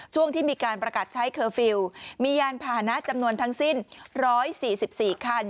ช่วงที่มีการประกาศใช้เคอร์ฟิลล์มียานพานะจำนวนทั้งสิ้น๑๔๔คัน